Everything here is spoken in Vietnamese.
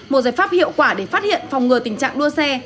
một giải pháp hiệu quả để phát hiện phòng ngừa tình trạng đua xe